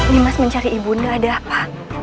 limas mencari ibu nda ada apa